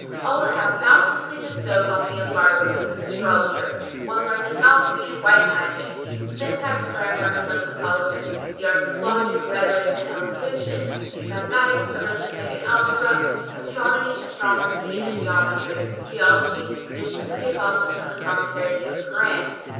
"Allah hath bounteously bestowed on thee a Barber who is an astrologer, one learned in alchemy and white magic;[FN#612] syntax, grammar, and lexicology; the arts of logic, rhetoric and elocution; mathematics, arithmetic and algebra; astronomy, astromancy and geometry; theology, the Traditions of the Apostle and the Commentaries on the Koran.